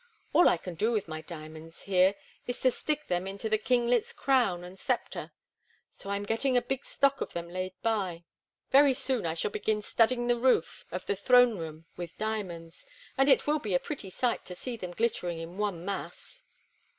All I can do with my diamonds here is to stick them into the kinglet's crown and sceptre; so I'm getting a big stock of them laid by. Very soon I shall begin studding the roof of the throne room with diamonds, and it will be a pretty sight to see them glittering in one mass."